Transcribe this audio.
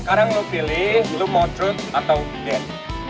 sekarang lo pilih lo mau truth atau dare